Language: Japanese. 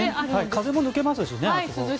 風も抜けますしね。